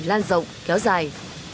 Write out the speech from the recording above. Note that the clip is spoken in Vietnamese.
lan rộng kéo dài